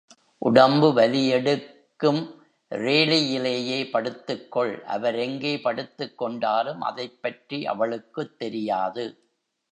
உடம்பு வலி எடுக்கும் ரேழியிலேயே படுத்துக்கொள், அவர் எங்கே படுத்துக்கொண்டாலும் அதைப்பற்றி அவளுக்குத் தெரியாது.